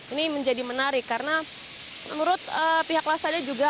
ini menjadi menarik karena menurut pihak laksananya